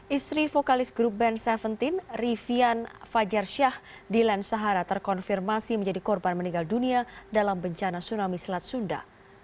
istri vokalis grup band seventeen rivian fajarsyah di lansahara terkonfirmasi menjadi korban meninggal dunia dalam bencana tsunami selat sunda